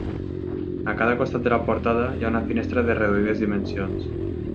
A cada costat de la portada hi ha una finestra de reduïdes dimensions.